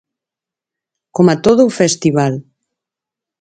Coma todo o festival.